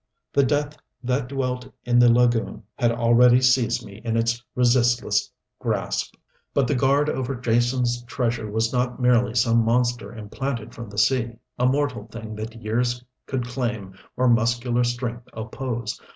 The death that dwelt in the lagoon had already seized me in its resistless grasp. But the guard over Jason's treasure was not merely some monster implanted from the sea, a mortal thing that years could claim or muscular strength oppose.